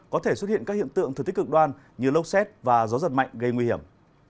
có thể xuất hiện các hiện tượng thực tích cực đoan như lốc xét và gió giật mạnh gây nguy hiểm